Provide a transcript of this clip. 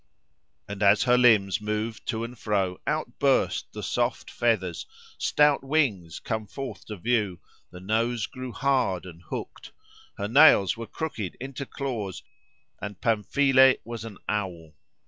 And as her limbs moved to and fro, out burst the soft feathers: stout wings came forth to view: the nose grew hard and hooked: her nails were crooked into claws; and Pamphile was an owl.